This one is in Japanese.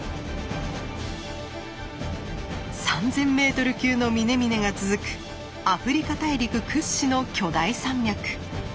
３，０００ｍ級の峰々が続くアフリカ大陸屈指の巨大山脈。